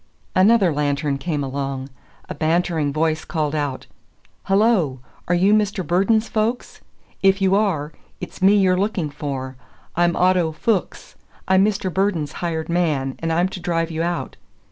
Another lantern came along. A bantering voice called out: "Hello, are you Mr. Burden's folks? If you are, it's me you're looking for. I'm Otto Fuchs. I'm Mr. Burden's hired man, and I'm to drive you out.